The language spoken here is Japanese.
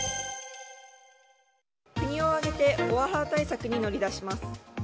国を挙げてオワハラ対策に乗り出します。